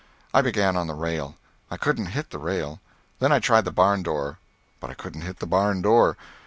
I began on the rail. I couldn't hit the rail; then I tried the barn door; but I couldn't hit the barn door.